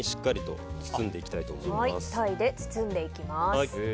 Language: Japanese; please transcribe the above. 鯛で包んでいきます。